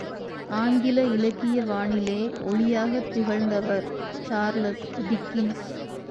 ஆங்கில இலக்கிய வானிலே ஒளியாகத் திகழ்ந்தவர் சார்லஸ் டிக்கன்ஸ்!